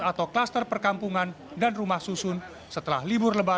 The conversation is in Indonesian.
atau kluster perkampungan dan rumah susun setelah libur lebaran